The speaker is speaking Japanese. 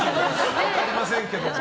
分かりませんけども。